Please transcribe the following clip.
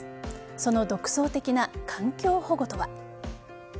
その独創的な環境保護とは。